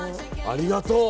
ありがとう。